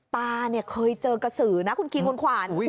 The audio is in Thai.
ตาเคยเจอกระสือนะขวาน